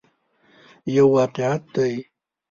یو واقعیت دی.